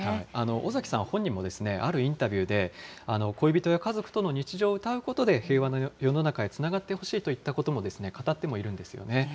尾さん本人もあるインタビューで、恋人や家族との日常を歌うことで、平和な世の中へつながってほしいということも語ってもいるんですね。